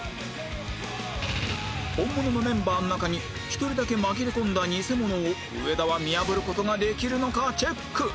本物のメンバーの中に１人だけ紛れ込んだニセモノを上田は見破る事ができるのかチェック